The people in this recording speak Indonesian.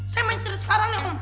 saya main street sekarang nih om